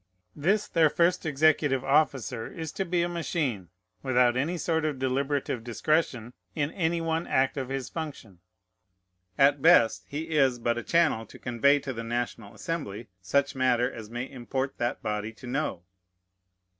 This their first executive officer is to be a machine, without any sort of deliberative discretion in any one act of his function. At best, he is but a channel to convey to the National Assembly such matter as may import that body to know.